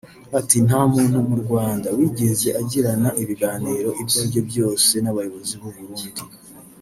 Ati “Nta muntu mu Rwanda wigeze agirana ibiganiro ibyo ari byo byose n’abayobozi b’u Burundi